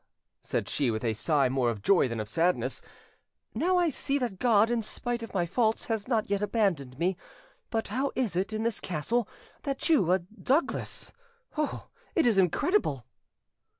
said she, with a sigh more of joy than of sadness, "now I see that God, in spite of my faults, has not yet abandoned me. But how is it, in this castle, that you, a Douglas.... oh! it is incredible!"